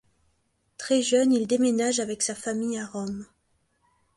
Très jeune il déménage avec sa famille à Rome.